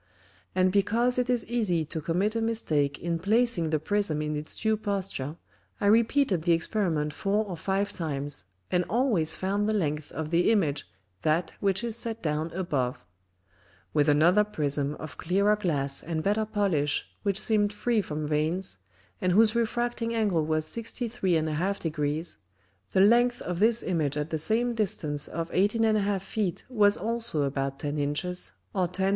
And because it is easy to commit a Mistake in placing the Prism in its due Posture, I repeated the Experiment four or five Times, and always found the Length of the Image that which is set down above. With another Prism of clearer Glass and better Polish, which seemed free from Veins, and whose refracting Angle was 63 1/2 Degrees, the Length of this Image at the same distance of 18 1/2 Feet was also about 10 Inches, or 10 1/8.